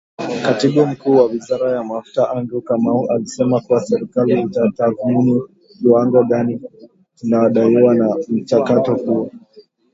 Katibu Mkuu wa Wizara ya Mafuta Andrew Kamau alisema kuwa serikali inatathmini kiwango gani kinadaiwa na mchakato huo.